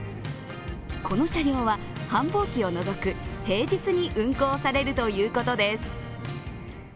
この車両は、繁忙期を除く平日に運行されるということです。